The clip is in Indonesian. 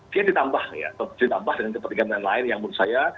dia ditambah dengan kepentingan lain yang menurut saya